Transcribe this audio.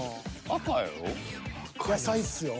赤よ。